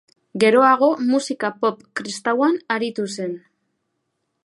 Geroago musika pop kristauan aritu zen.